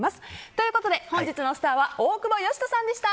ということで本日のスターは大久保嘉人さんでした。